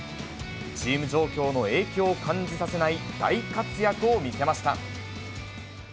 チーム状況の影響を感じさせない大活躍を見せました。